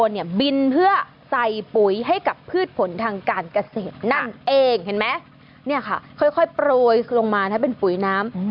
เองเห็นไหมเนี่ยค่ะค่อยโปรยลงมานะเป็นปุ๋ยน้ำ